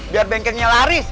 biar bengkennya laris